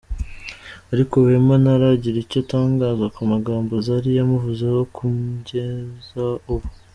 Ariko Wema ntaragira icyo atangaza ku magambo Zari yamuvuzeho ku jyeza ubu.